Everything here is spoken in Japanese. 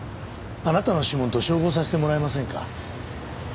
あなたの指紋と照合させてもらえませんか？